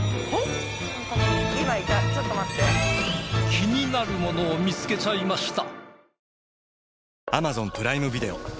気になるものを見つけちゃいました。